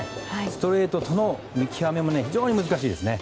ストレートとの見極めも非常に難しいですね。